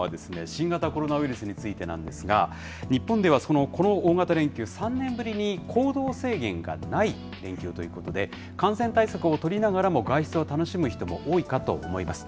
新型コロナウイルスについてなんですが、日本ではこの大型連休、３年ぶりに行動制限がない連休ということで、感染対策を取りながらも外出を楽しむ人も多いかと思います。